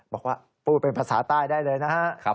บอกว่าพูดเป็นภาษาใต้ได้เลยนะครับ